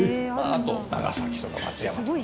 あと長崎とか松山とか。